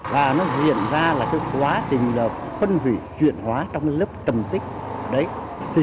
và nó diễn ra là quá trình phân vỷ diễn hóa trong lớp trầm tích